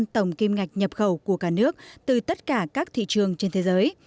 tổng kim ngạch nhập khẩu của cả nước từ tất cả các thị trường trên thế giới